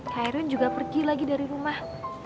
kak erwin juga pergi lagi dari rumah